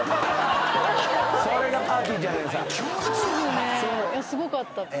すごかった。